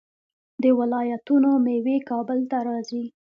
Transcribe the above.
د ولایتونو میوې کابل ته راځي.